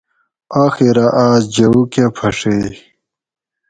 آخیرہ آس جھوؤ کہ پھڛیئے